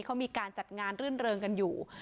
เขามีการจัดงานรื่นเริงกันอยู่